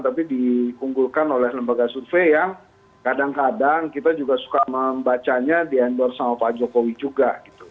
tapi diunggulkan oleh lembaga survei yang kadang kadang kita juga suka membacanya di endorse sama pak jokowi juga